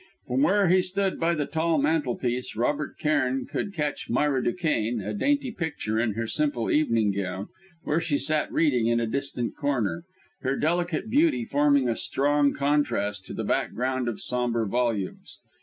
From where he stood by the tall mantel piece, Robert Cairn could watch Myra Duquesne, a dainty picture in her simple evening gown, where she sat reading in a distant corner, her delicate beauty forming a strong contrast to the background of sombre volumes.